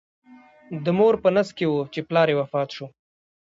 د مور په نس کې و چې پلار یې وفات شو.